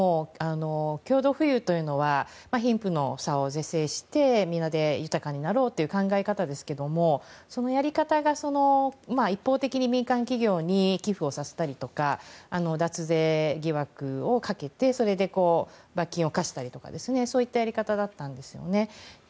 共同富裕というのは貧富の差を是正してみんなで豊かになろうという考え方ですけどそのやり方が、一方的に民間企業に寄付をさせたりとか脱税疑惑をかけて罰金を科したりとかそういったやり方だったんですね。